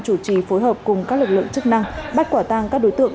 chủ trì phối hợp cùng các lực lượng chức năng bắt quả tang các đối tượng